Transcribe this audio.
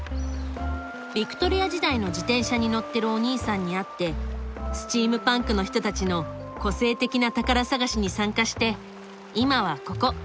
ビクトリア時代の自転車に乗ってるおにいさんに会ってスチームパンクの人たちの個性的な宝探しに参加して今はここ。